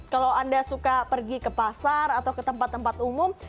kalau anda suka pergi ke pasar atau ke tempat tempat umum